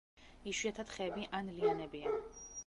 იშვიათად ხეები ან ლიანებია.